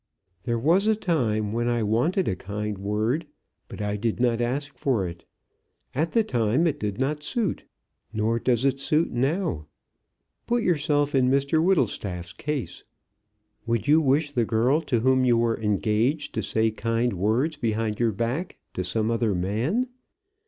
There was a time when I wanted a kind word, but I did not ask for it. At the time it did not suit. Nor does it suit now. Put yourself in Mr Whittlestaff's case; would you wish the girl to whom you were engaged to say kind words behind your back to some other man?